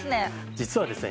実はですね